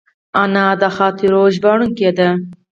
انا د خاطرو ژباړونکې ده